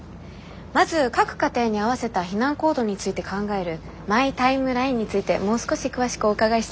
まず各家庭に合わせた避難行動について考えるマイ・タイムラインについてもう少し詳しくお伺いしたいのですが。